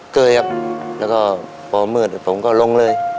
เคยครับแล้วก็พอมืดผมก็ลงเลย